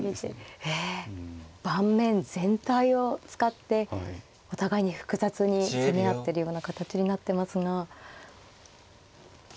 盤面全体を使ってお互いに複雑に攻め合ってるような形になってますが。